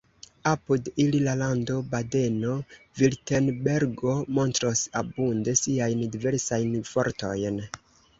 Apud ili la lando Badeno-Virtenbergo montros abunde siajn diversajn fortojn.